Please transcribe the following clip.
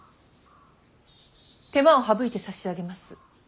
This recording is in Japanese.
手間を省いてさしあげます。